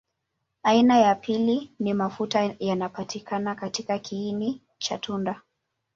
Aina ya pili ni mafuta yanapatikana katika kiini cha tunda.